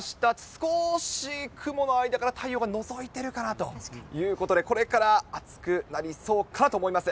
少し雲の間から太陽がのぞいてるかなということで、これから暑くなりそうかなと思います。